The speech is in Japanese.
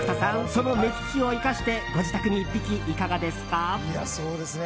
その目利きを生かしてご自宅に１匹いかがですか？